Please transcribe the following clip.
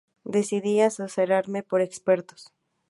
decidí asesorarme por expertos